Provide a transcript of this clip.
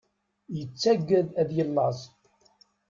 Yettaggad ad yellaẓ.